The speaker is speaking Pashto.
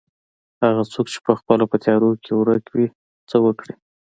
هغه څوک چې پخپله په تيارو کې ورکه وي څه وکړي.